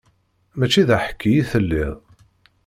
Mačči d aḥeqqi i telliḍ.